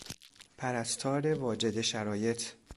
پرستار واجد شرایط